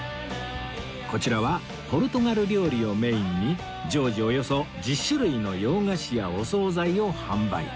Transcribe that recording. こちらはポルトガル料理をメインに常時およそ１０種類の洋菓子やお総菜を販売